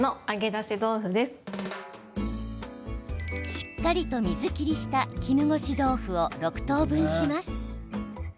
しっかりと水切りした絹ごし豆腐を６等分します。